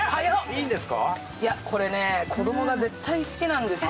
これね、子供が絶対好きなんですよ。